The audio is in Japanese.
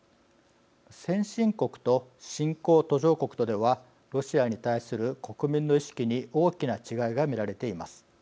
先進国と新興・途上国とではロシアに対する国民の意識に大きな違いが見られています。